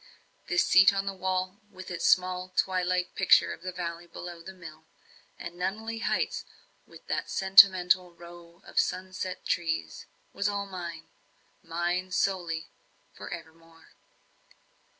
This seat on the wall, with its small twilight picture of the valley below the mill, and Nunneley heights, with that sentinel row of sun set trees was all mine mine solely for evermore.